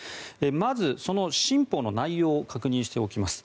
まず、その新法の内容を確認していきます。